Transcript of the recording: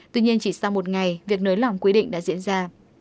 tuy nhiên chỉ sau một ngày việc nới lỏng quy định đã diễn ra